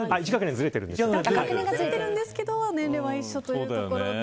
１学年ずれてるんですけど年齢は一緒ということで。